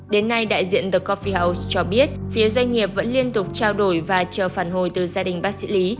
đến nay đại diện the cophie house cho biết phía doanh nghiệp vẫn liên tục trao đổi và chờ phản hồi từ gia đình bác sĩ lý